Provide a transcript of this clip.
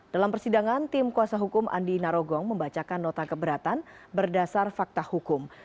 dalam persidangan tim kuasa hukum andi narogong membacakan nota keberatan berdasar fakta hukum